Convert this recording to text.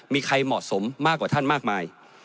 มีใครเหมาะสมมากกว่าท่านมากมาย